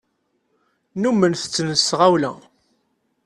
Nnumen tetten s tɣawla.